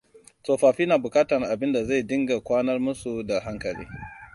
Tsofaffi na bukatar abin da zai dinga kwanatar musu da hankali.